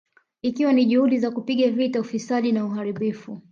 Ikiwa ni juhudi za kupiga vita ufisadi na ubadhirifu